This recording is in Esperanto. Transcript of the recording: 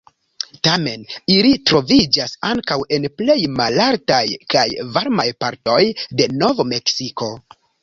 Tamen ili troviĝas ankaŭ en plej malaltaj kaj varmaj partoj de Nov-Meksiko.